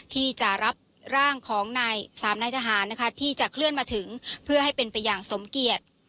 ที่จะรับร่างของนายสามนายทหารนะคะที่จะเคลื่อนมาถึงเพื่อให้เป็นไปอย่างสมเกียจ